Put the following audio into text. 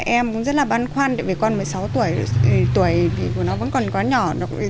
em cũng rất là băn khoăn vì con một mươi sáu tuổi tuổi của nó vẫn còn quá nhỏ